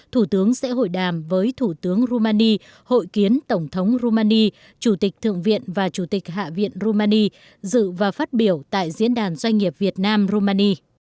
thủ tướng sẽ hội đàm với thủ tướng romani hội kiến tổng thống romani chủ tịch thượng viện và chủ tịch hạ viện rumani dự và phát biểu tại diễn đàn doanh nghiệp việt nam rumani